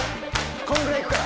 こんぐらい行くから